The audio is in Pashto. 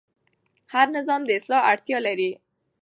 هر نظام د اصلاح اړتیا لري